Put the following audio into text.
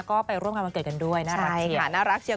ก็ไปร่วมกับวันเกิดกันด้วยน่ารักเชียว